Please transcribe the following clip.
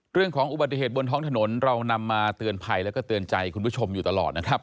เรื่องของอุบัติเหตุบนท้องถนนเรานำมาเตือนภัยแล้วก็เตือนใจคุณผู้ชมอยู่ตลอดนะครับ